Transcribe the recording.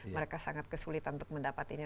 mereka sangat kesulitan untuk mendapatinya